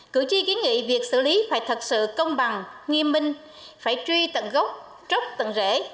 cử tri kiến nghị việc xử lý phải thật sự công bằng nghiêm minh phải truy tận gốc rất tận rễ